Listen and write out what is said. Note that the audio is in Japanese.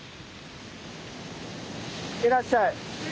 いらっしゃい。